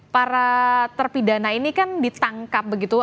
para terpidana ini kan ditangkap begitu